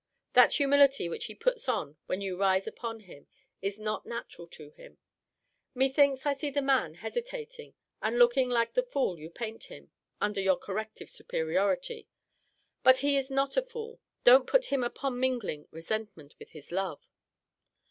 That humility which he puts on when you rise upon him, is not natural to him. Methinks I see the man hesitating, and looking like the fool you paint him, under your corrective superiority! But he is not a fool. Don't put him upon mingling resentment with his love.